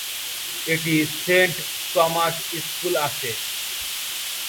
এটি Saint Thomas school আছে।